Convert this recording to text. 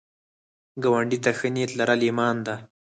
ګاونډي ته ښه نیت لرل ایمان ده